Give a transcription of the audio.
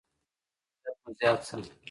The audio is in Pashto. عزت مو زیات شه.